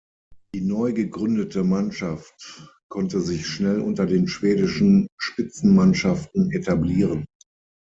Die neu gegründete Mannschaft konnte sich schnell unter den schwedischen Spitzenmannschaften etablieren.